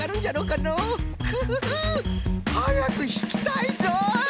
フフフはやくひきたいぞい！